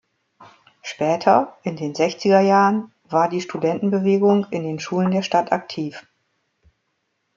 Später, in den Sechziger Jahren, war die Studentenbewegung in den Schulen der Stadt aktiv.